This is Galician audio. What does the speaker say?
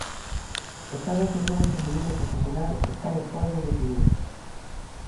E saben que o fútbol feminino profesional está en folga indefinida.